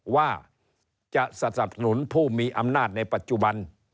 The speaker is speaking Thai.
ว่าจะสนับสนุนผู้มีอำนาจในปัจจุบัน